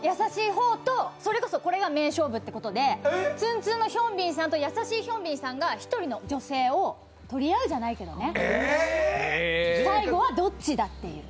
それこそこれが名勝負ということで、ツンツンのヒョンビンさんと優しいヒョンビンさんが１人の女性を取り合うという最後はどっちだっていう。